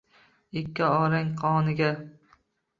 Ikki orang qoniga.